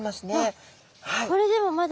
これでもまだ。